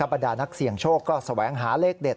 บรรดานักเสี่ยงโชคก็แสวงหาเลขเด็ด